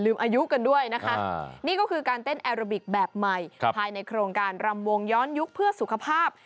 อายุกันด้วยนะคะนี่ก็คือการเต้นแอโรบิกแบบใหม่ภายในโครงการรำวงย้อนยุคเพื่อสุขภาพ